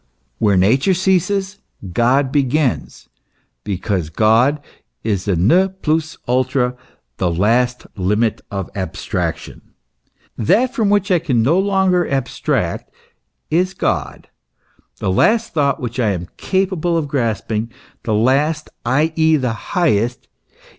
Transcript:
"Where Nature ceases, God begins," because God is the ne plus ultra, the last limit of abstraction. That from which I can no longer abstract is God, the last thought which I am capable of grasp ing the last, i.e., the highest.